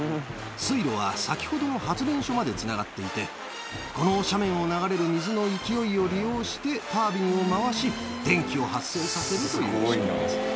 水路は先ほどの発電所までつながっていて、この斜面を流れる水の勢いを利用してタービンを回し、電気を発生させるという仕組みです。